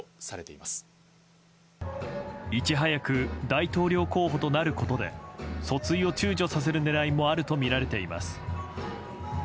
いち早く大統領候補となることで訴追を躊躇させる狙いもあるとみられています。